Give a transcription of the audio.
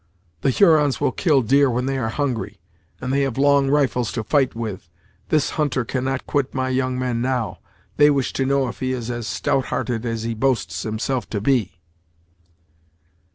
The Hurons will kill deer when they are hungry, and they have long rifles to fight with. This hunter cannot quit my young men now; they wish to know if he is as stouthearted as he boasts himself to be."